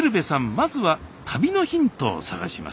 まずは旅のヒントを探します。